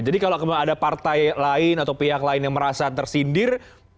jadi kalau ada partai lain atau pihak lain yang merasa tersindir